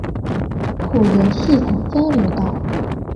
埔鹽系統交流道